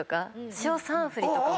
塩３振りとかも。